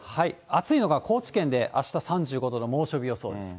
暑いのが高知県で、あした３５度の猛暑日予想です。